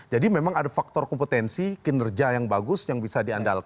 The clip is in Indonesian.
jadi memang ada faktor kompetensi kinerja yang bagus yang bisa diandalkan